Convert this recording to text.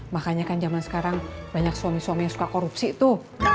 makanya kan zaman sekarang banyak suami suami yang suka korupsi tuh